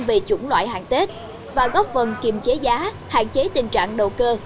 về chủng loại hàng tết và góp phần kiềm chế giá hạn chế tình trạng đầu cơ